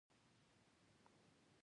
اسلام په هر انسان کې روحيه روزل غواړي.